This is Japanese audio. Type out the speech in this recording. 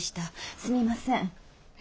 すみません。